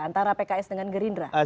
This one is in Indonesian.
antara pks dengan kerintra